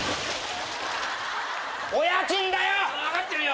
お家賃だよ！